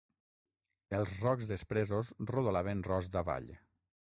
Els rocs despresos rodolaven rost avall.